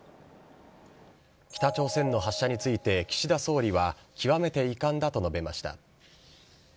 北朝鮮の発射について、岸田総理は、極めて遺憾だと述べました。